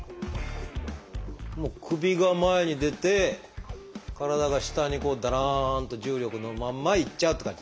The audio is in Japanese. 首が前に出て体が下にこうだらんと重力のまんまいっちゃうって感じですかね。